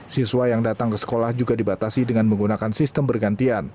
siswa yang datang ke sekolah juga dibatasi dengan menggunakan sistem bergantian